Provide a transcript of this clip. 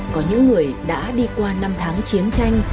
có những người đã đi qua năm tháng chiến tranh